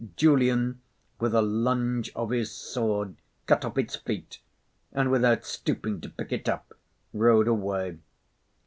Julian, with a lunge of his sword, cut off its feet, and without stopping to pick it up, rode away.